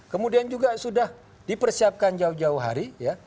kemudian juga sudah dipersiapkan jauh jauh hari